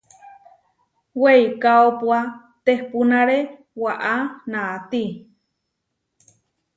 Weikaópua tehpúnare waʼá naati.